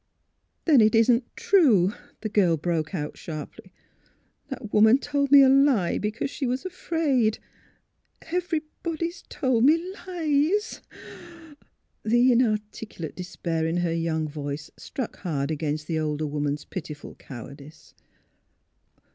" Then, it isn't true! " the girl broke out, sharply. " The woman told me a lie, because she was afraid. Everybody has told me lies ! Oh h !'' The inarticulate despair in her young voice struck hard against the older woman's pitiful cowardice.